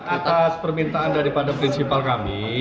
atas permintaan daripada prinsipal kami